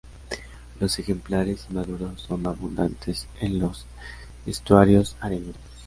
Los ejemplares inmaduros son abundantes en los estuarios arenosos.